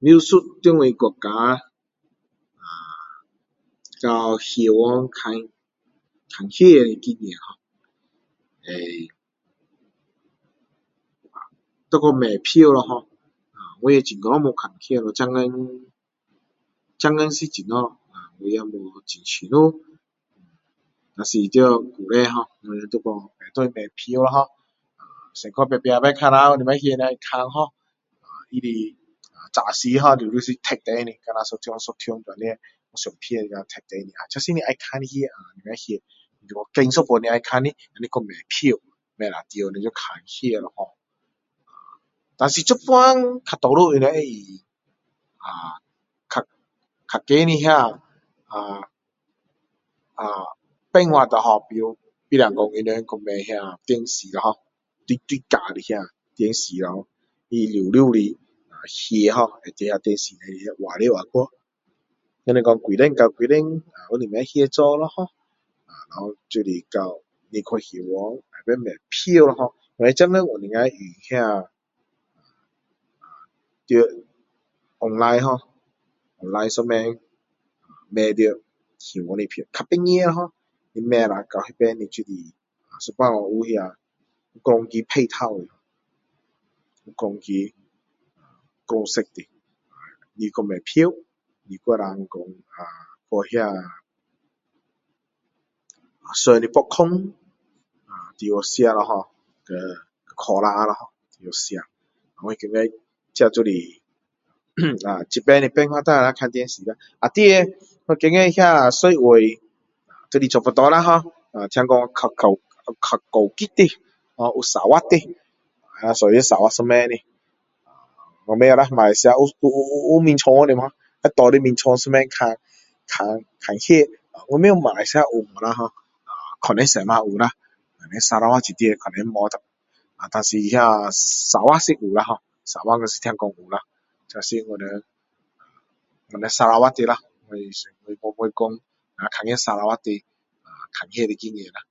描述在我國家啊看看戲要去買票咯ho我也很久沒有去看戲了現今現今是怎樣啊我也沒有很清楚若是在以前ho我們就說要買票ho先去牆壁看下有什麼戲要看ho就是早期是貼出來的有什麼戲什麼戲都貼出來你要看什麼戲選一部你要看的你去買票買啦你就進去看戲咯ho啊但是現在我們大多數會用啊較較高的那啊辦法咯ho比如說他們去買電視咯ho大大架的那電視咯他全部的戲ho都在電視裡面換來換去像說幾點到幾點有什麼戲做啦ho然後就是到戲院買票咯ho可能現今能夠用那啊啊在online咯ho online買到票比較便宜咯ho你買了到那邊就是有時會有那什麼整個配套的整個整個set的你去買票你還能說去那送你popcorn啊進去吃咯ho和cola咯ho進去吃我覺得就是啊這邊的辦法若看電視啦裏面座位我覺得都是差不多啦ho也有較高高級的也有沙發的啊坐在沙發上面的我不知道啦馬來西亞有有有床鋪的嗎躺在床上看看戲我不知道馬來西亞有嗎咯ho可能西馬有啦我們砂勞越裡面可能沒有但但是那沙發是有啦ho沙發我是聽講有啦這是我們啊砂勞越的ho我我看見的經驗啦